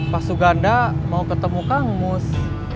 pas suganda mau ketemu kang mus